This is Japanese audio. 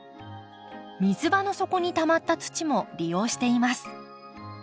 水場の底にたまった土も利用しています。